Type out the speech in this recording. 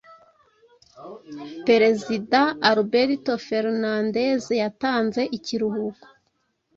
Perezida Alberto Fernandez yatanze ikiruhuko